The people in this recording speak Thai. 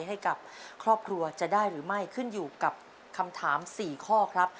ให้กับครอบครัวจะได้หรือไม่ขึ้นอยู่กับคำถาม๔ข้อครับ